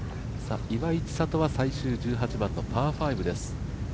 岩井千怜は最終１８番のパー５です。